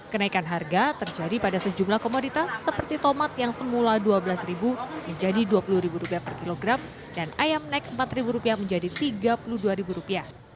kenaikan harga terjadi pada sejumlah komoditas seperti tomat yang semula rp dua belas menjadi rp dua puluh per kilogram dan ayam naik rp empat menjadi rp tiga puluh dua